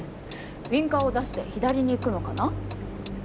ウィンカーを出して左に行くのかな？